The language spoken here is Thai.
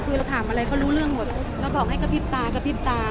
คือเราถามอะไรเขารู้เรื่องหมดแล้วบอกให้กระพริบตากระพริบตา